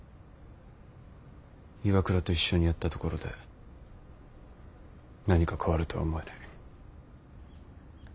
岩倉と一緒にやったところで何か変わるとは思えない。